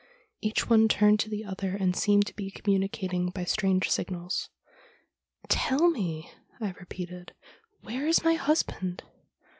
Each one turned to the other and seemed to be communicating by strange signals. "Tell me," I repeated, "where is my husband?"